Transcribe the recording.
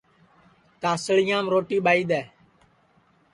تانٚسݪیام روٹی ٻائھی دؔے